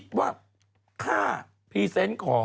คนนี้เขาไม่กินเบียร์เปล่าบอก